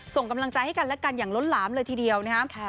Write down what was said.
ส่งกำลังใจให้กันและกันอย่างล้นหลามเลยทีเดียวนะครับ